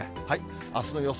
あすの予想